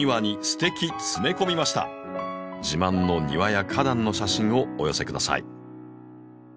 自慢の庭や花壇の写真をお寄せください。